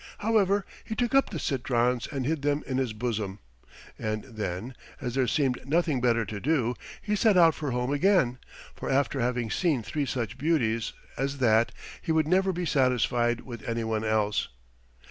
However, he took up the citrons and hid them in his bosom, and then, as there seemed nothing better to do, he set out for home again, for after having seen three such beauties as that he would never be satisfied with any one else.